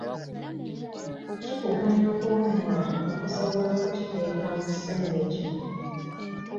Kikuganya okuwummula osobola okukiteeka mu kisenge kyo.